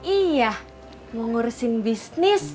iya mau ngurusin bisnis